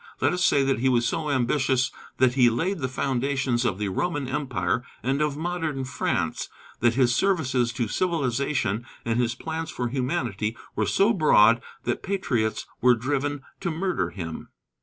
Let us say that he was so ambitious that he laid the foundations of the Roman Empire and of modern France; that his services to civilization and his plans for humanity were so broad that patriots were driven to murder him.